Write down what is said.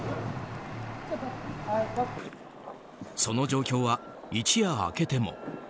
その状況は一夜明けても。